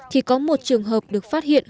thì có một trường hợp được phát hiện